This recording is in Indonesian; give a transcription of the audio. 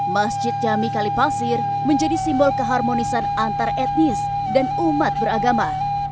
masjid jami kalipasir menjadi simbol keharmonisan antar etnis dan umat beragama